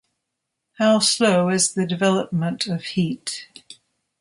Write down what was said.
How slow is the development of heat.